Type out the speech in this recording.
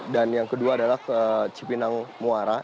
dan yang kedua adalah cipinang muara